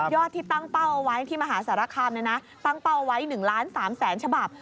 ที่ตั้งเป้าเอาไว้ที่มหาสารคามตั้งเป้าไว้๑ล้าน๓แสนฉบับ